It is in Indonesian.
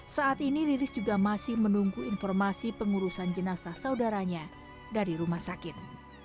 saat ini lilis juga masih menunggu informasi pengurusan jenazah saudaranya dari rumah sakit